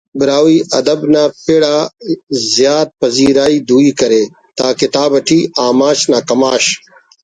براہوئی ادب نا پڑ آ زیات پذیرائی دوئی کرے دا کتاب اٹی آماچ نا کماش